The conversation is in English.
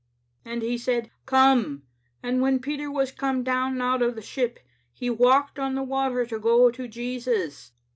" 'And He said. Come. And when Peter was come down out of the ship, he walked on the water, to go to Jesus.